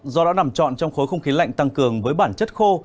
do đã nằm trọn trong khối không khí lạnh tăng cường với bản chất khô